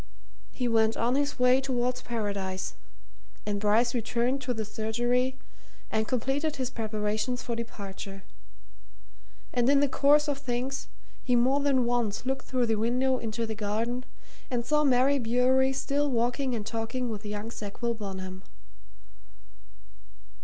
He went on his way towards Paradise, and Bryce returned to the surgery and completed his preparations for departure. And in the course of things, he more than once looked through the window into the garden and saw Mary Bewery still walking and talking with young Sackville Bonham.